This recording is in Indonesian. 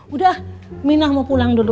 udah minah mau pulang dulu